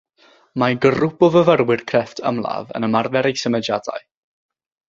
Mae grŵp o fyfyrwyr crefft ymladd yn ymarfer eu symudiadau.